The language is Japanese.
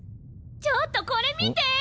ちょっとこれ見て！